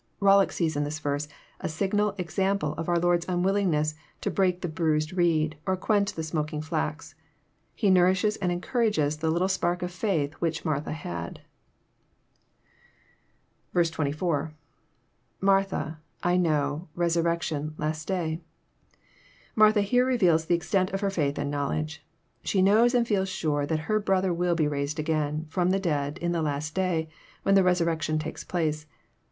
Bollock sees in this verse a signal example of our Lord's unwillingness to " break the bruised reed, or quench the smoking flax." He nourishes and encourages the little spark of faith which Martha had. 2i.—lMartha...Iknow...resurrection...last day.] Martha here reveals the extent of her faith and knowledge. She knows and feels sure that her brother will be raised again fh)m the dead in the last day, when the resurrection takes place.